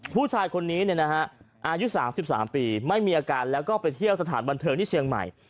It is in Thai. ผู้ชายคนนี้อายุ๓๓ปีไม่มีอาการแล้วก็ไปเที่ยวสถานบันเทิงที่เชียงใหม่